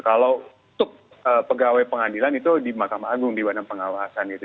kalau pegawai pengadilan itu di makam agung di warna pengawasan gitu